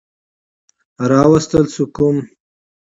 راوستل شو کوم